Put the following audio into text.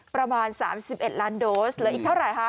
ประมาณ๓๑ล้านโดสเหลืออีกเท่าไหร่คะ